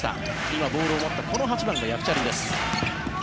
今、ボールを持ったこの８番のヤクチャリです。